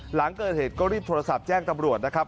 หลังเกิดเหตุก็รีบโทรศัพท์แจ้งตำรวจนะครับ